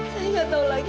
saya gak tau lagi